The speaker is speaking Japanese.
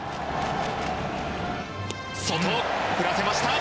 外、振らせました。